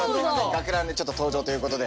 学ランでちょっと登場ということで。